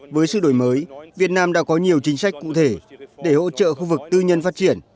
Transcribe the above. với sự đổi mới việt nam đã có nhiều chính sách cụ thể để hỗ trợ khu vực tư nhân phát triển